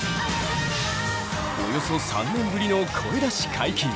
およそ３年ぶりの声出し解禁。